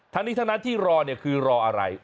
ทางนี้ทางนั้นที่รอคือรออะไร